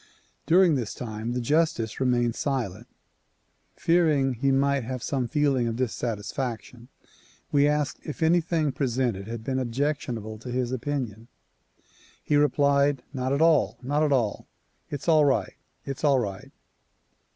During this time the justice remained silent. Fearing he might have some feeling of dissatisfaction we asked if anything presented had been objectionable to his opinion. He replied "Not at all! Not at all! It's all right! It's all right!"